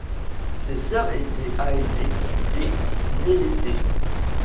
Ses sœurs étaient Aédé et Mélété.